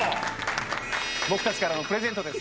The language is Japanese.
僕たちからのプレゼントです。